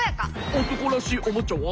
おとこらしいおもちゃは？